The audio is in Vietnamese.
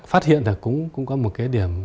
phát hiện là cũng có một cái điểm